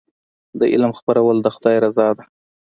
د علم خپرول د خدای رضا ده.